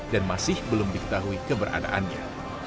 dan masih belum diketahui keberadaannya